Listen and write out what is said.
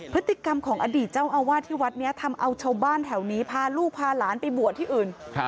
พฤติกรรมของอดีตเจ้าอาวาสที่วัดนี้ทำเอาชาวบ้านแถวนี้พาลูกพาหลานไปบวชที่อื่น